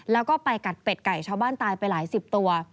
แล้วก็ไปกัดเป็ดไก่ชาวบ้านตายไปหลายสิบตัว